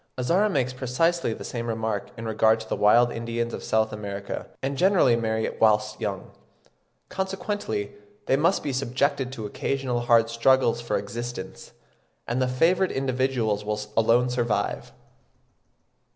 Azara ('Voyages dans l'Amérique Merid.' tom. ii. 1809, p. 21) makes precisely the same remark in regard to the wild Indians of South America.), and generally marry whilst young. Consequently they must be subjected to occasional hard struggles for existence, and the favoured individuals will alone survive.